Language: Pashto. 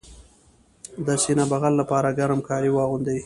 د سینه بغل لپاره ګرم کالي واغوندئ